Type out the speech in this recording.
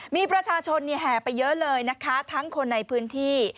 มีประชาชนแห่ไปเยอะเลยนะคะทั้งคนในพื้นที่